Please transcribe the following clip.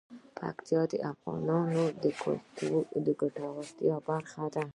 پکتیا د افغانانو د ګټورتیا برخه ده.